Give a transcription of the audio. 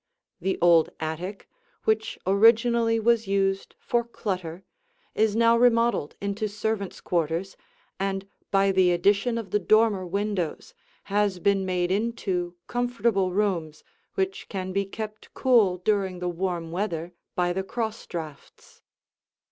The old attic, which originally was used for clutter, is now remodeled into servants' quarters and by the addition of the dormer windows has been made into comfortable rooms which can be kept cool during the warm weather by the cross draughts.